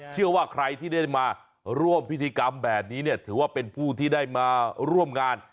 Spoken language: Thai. เชื่อว่าใครที่ได้มาร่วมพิธีกรรมแบบนี้เนี่ยถือว่าเป็นผู้ที่ได้มาร่วมงาน